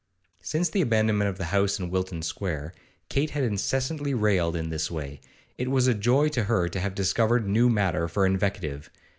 Since the abandonment of the house in Wilton Square, Kate had incessantly railed in this way; it was a joy to her to have discovered new matter for invective.